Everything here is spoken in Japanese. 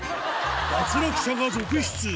脱落者が続出